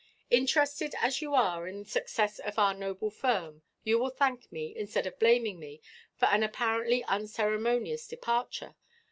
"Interested as you are in the success of our noble firm, you will thank, instead of blaming me, for an apparently unceremonious departure.